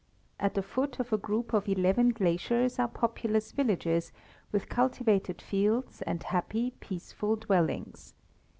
At the foot of a group of eleven glaciers are populous villages, with cultivated fields, and happy, peaceful dwellings.